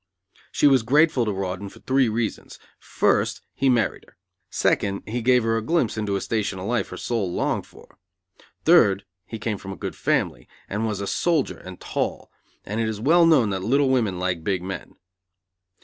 She was grateful to Rawdon for three reasons; first, he married her; second, he gave her a glimpse into a station in life her soul longed for; third, he came from a good family, and was a soldier and tall, and it is well known that little women like big men.